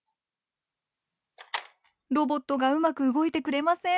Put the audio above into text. ロボットがうまく動いてくれません。